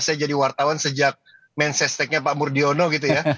saya jadi wartawan sejak mensesneknya pak murdiono gitu ya